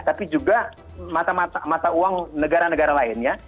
tapi juga mata mata uang negara negara lain ya